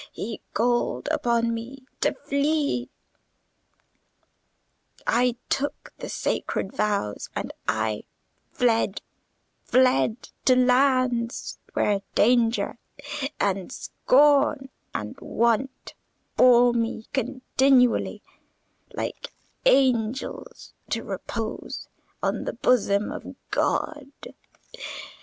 He called upon me to flee: I took the sacred vows and I fled—fled to lands where danger and scorn and want bore me continually, like angels, to repose on the bosom of God.